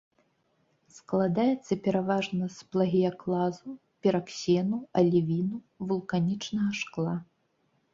Складаецца пераважна з плагіяклазу, піраксену, алівіну, вулканічнага шкла.